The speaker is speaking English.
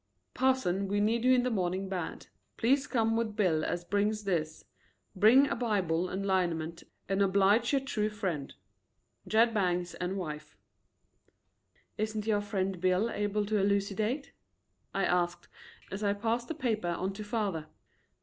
"Parson we need you in the morning bad. Please come with Bill as brings this. Bring a bible and liniment and oblige your true friend Jed Bangs and wife." "Isn't your friend Bill able to elucidate?" I asked, as I passed the paper on to father.